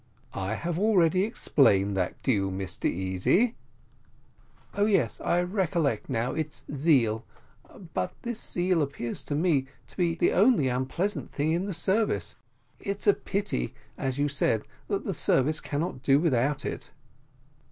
"I have already explained that to you, Mr Easy." "Oh, yes, I recollect now, it's zeal; but this zeal appears to me to be the only unpleasant thing in the service. It's a pity, as you said, that the service cannot do without it."